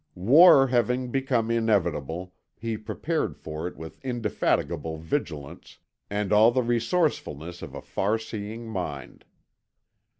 "War having become inevitable, he prepared for it with indefatigable vigilance and all the resourcefulness of a far seeing mind.